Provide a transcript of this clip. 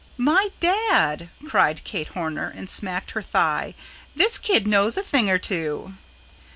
"By dad!" cried Kate Horner, and smacked her thigh. "This kid knows a thing or two."